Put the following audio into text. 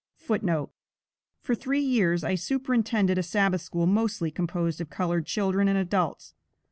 [Footnote A: For three years I superintended a Sabbath school mostly composed of colored children and adults.